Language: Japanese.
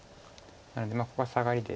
なのでここはサガリで。